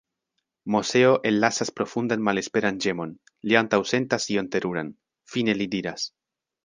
Moseo ellasas profundan malesperan ĝemon; li antaŭsentas ion teruran, fine li diras: